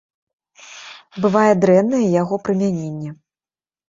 Бывае дрэннае яго прымяненне.